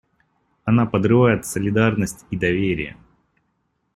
Она подрывает солидарность и доверие.